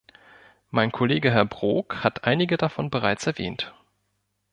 Mein Kollege Herr Brok hat einige davon bereits erwähnt.